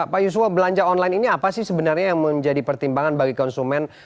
pak yusuf belanja online ini apa sih sebenarnya yang menjadi pertimbangan bagi konsumen